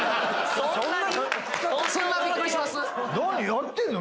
やってんの？